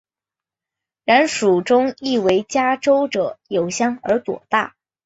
然蜀中亦为嘉州者有香而朵大。